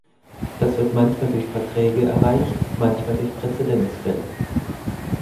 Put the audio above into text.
Das wird manchmal durch Verträge erreicht, manchmal durch Präzedenzfälle.